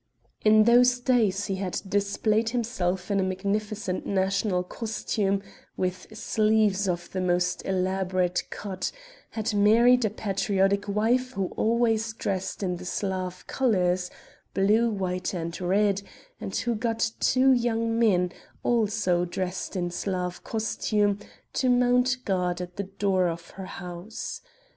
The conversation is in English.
In those days he had displayed himself in a magnificent national costume with sleeves of the most elaborate cut, had married a patriotic wife who always dressed in the Slav colors: blue, white, and red, and who got two young men, also dressed in Slav costume, to mount guard at the door of her house.